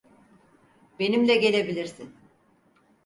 Benimle gelebilirsin.